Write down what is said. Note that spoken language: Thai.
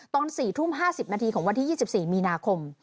ตอน๔ทุ่ม๕๐นาทีของวันที่๒๔มีนาคม